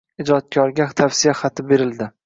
Ijodkorlarga tavsiya xati berildi.